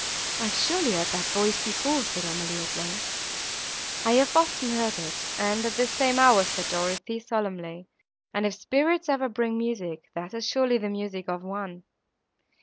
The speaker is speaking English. "I have surely heard that voice before!" said Emily, at length. "I have often heard it, and at this same hour," said Dorothée, solemnly, "and, if spirits ever bring music—that is surely the music of one!"